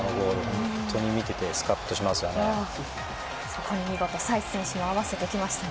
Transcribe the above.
本当に見ててスカッとしますよね。